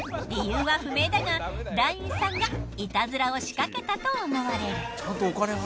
理由は不明だが団員さんがいたずらを仕掛けたと思われる。